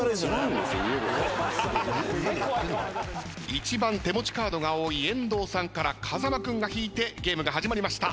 一番手持ちカードが多い遠藤さんから風間君が引いてゲームが始まりました。